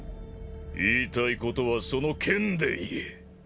言いたいことはその剣で言え。